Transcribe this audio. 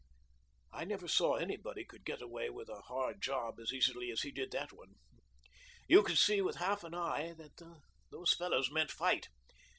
"I never saw anybody get away with a hard job as easily as he did that one. You could see with half an eye that those fellows meant fight.